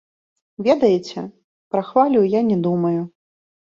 Ведаеце, пра хвалю я не думаю.